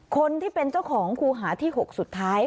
คนที่เป็นเจ้าของคูหาที่๖สุดท้าย